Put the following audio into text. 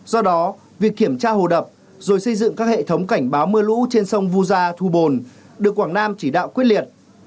do đó việc kiểm tra hồ đập rồi xây dựng các hệ thống cảnh báo mưa lũ trên sông vu gia thu bồn được quảng nam chỉ đạo quyết liệt